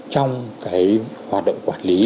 trong cái hoạt động quản lý